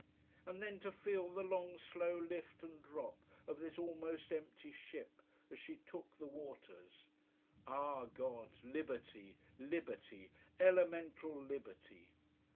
And then to feel the long, slow lift and drop of this almost empty ship, as she took the waters. Ah God, liberty, liberty, elemental liberty.